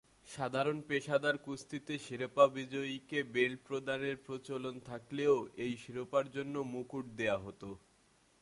সাধারণত পেশাদার কুস্তিতে শিরোপা বিজয়ীকে বেল্ট প্রদানের প্রচলন থাকলেও, এই শিরোপার জন্য মুকুট দেয়া হতো।